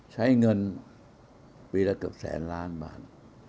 ใช้เงินปีละเกือบแสนล้านบาท